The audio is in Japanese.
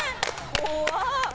怖っ！